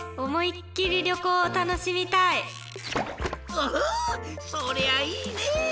おおそりゃいいね！